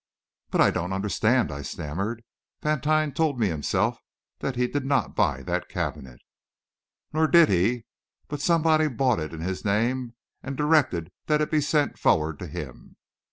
"But I don't understand!" I stammered. "Vantine told me himself that he did not buy that cabinet." "Nor did he. But somebody bought it in his name and directed that it be sent forward to him."